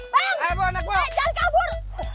bang jangan kabur